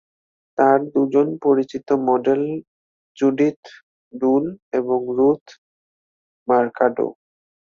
তার দুজন পরিচিত মডেল জুডিথ ডুল এবং রুথ মারকাডো।